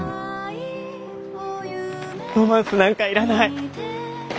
ロマンスなんかいらない。